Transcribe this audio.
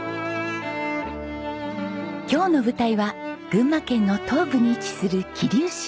今日の舞台は群馬県の東部に位置する桐生市。